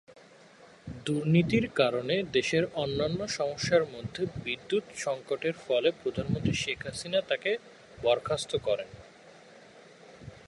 দুর্নীতির কারণে, দেশের অন্যান্য সমস্যার মধ্যে বিদ্যুৎ সংকটের ফলে প্রধানমন্ত্রী শেখ হাসিনা তাকে বরখাস্ত করেন।